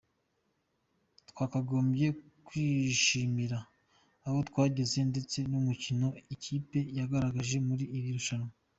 Twakagombye kwishimira aho twageze ndetse n’umukino ikipe yagaragaje muri iri rushanwa.